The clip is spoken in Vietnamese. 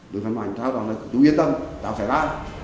đừng phán mảnh chú yên tâm cháu phải ra